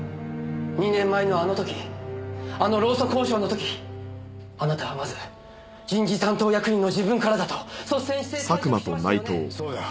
２年前のあの時あの労組交渉の時あなたはまず人事担当役員の自分からだと率先して退職しましたよね。